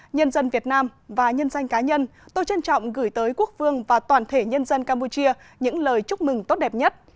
nhân dân việt nam và nhân danh cá nhân tôi trân trọng gửi tới quốc vương và toàn thể nhân dân campuchia những lời chúc mừng tốt đẹp nhất